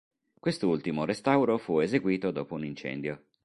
Quest'ultimo restauro fu eseguito dopo un incendio.